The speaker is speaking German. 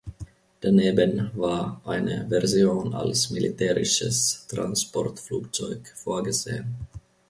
Daneben war eine Version als militärisches Transportflugzeug vorgesehen.